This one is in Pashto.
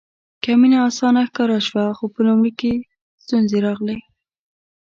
که مینه اسانه ښکاره شوه خو په لومړي کې ستونزې راغلې.